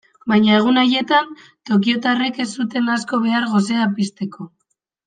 Baina egun haietan tokiotarrek ez zuten asko behar gosea pizteko.